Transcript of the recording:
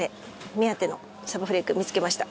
目当てのさばフレーク見付けました。